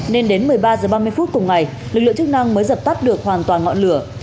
nên đến một mươi ba h ba mươi phút cùng ngày lực lượng chức năng mới dập tắt được hoàn toàn ngọn lửa